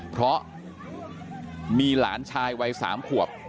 เพราะมีหลานชายวัย๓ขวบ